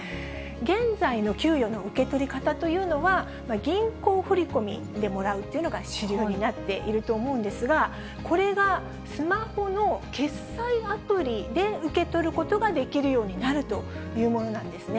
現在の給与の受け取り方というのは、銀行振り込みでもらうというのが主流になっていると思うんですが、これがスマホの決済アプリで受け取ることができるようになるというものなんですね。